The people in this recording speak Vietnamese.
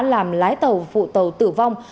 làm lái tàu phụ tàu tử vong